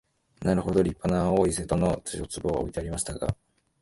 なるほど立派な青い瀬戸の塩壺は置いてありましたが、